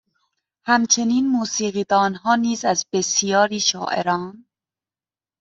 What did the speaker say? همچنین موسیقیدانها نیز از بسیاری شاعران